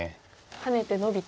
ハネてノビて。